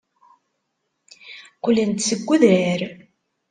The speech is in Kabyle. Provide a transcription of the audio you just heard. Qqlen-d seg udrar.